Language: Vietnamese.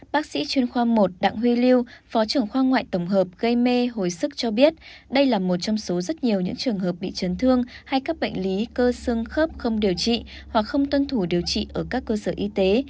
bác sĩ chuyên khoa một đặng huy lưu phó trưởng khoa ngoại tổng hợp gây mê hồi sức cho biết đây là một trong số rất nhiều những trường hợp bị chấn thương hay các bệnh lý cơ xương khớp không điều trị hoặc không tuân thủ điều trị ở các cơ sở y tế